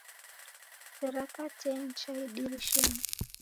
Sera kateni cha idirishenyi